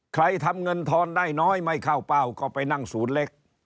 ใครทำเงินทอนได้น้อยไม่เข้าเป้าก็ไปนั่งศูนย์เล็ก